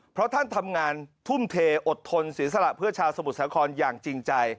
เพราะท่านทำงานทุ่มเทอดทนเสียสละเพื่อชาวสมุทรสาครอย่างจริงใจ